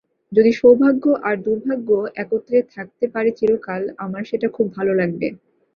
যদি সৌভাগ্য আর দুর্ভাগ্য একত্রে থাকতে পারে চিরকাল, আমার সেটা খুব ভালো লাগবে।